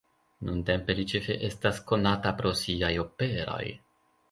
Nuntempe li ĉefe estas konata pro siaj operoj.